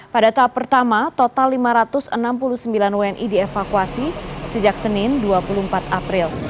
pada tahap pertama total lima ratus enam puluh sembilan wni dievakuasi sejak senin dua puluh empat april